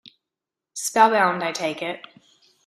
Spell-bound, I take it.